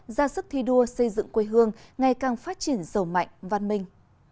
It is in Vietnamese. ra sức thi đua xây dựng quê hương ngày càng phát triển giàu mạnh văn minh